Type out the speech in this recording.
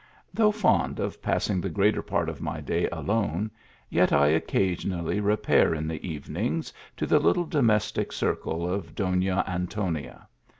Though fond of passing the greater part of my day alone, yet I occasionally repair in the evenings to the little domestic circle of Dona Antonia.